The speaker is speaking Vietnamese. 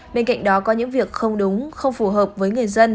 bên cạnh đó có những việc không đúng không phù hợp với người dân